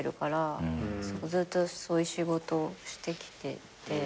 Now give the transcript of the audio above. ずっとそういう仕事をしてきてて。